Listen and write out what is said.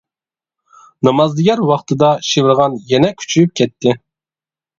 نامازدىگەر ۋاقتىدا شىۋىرغان يەنە كۈچىيىپ كەتتى.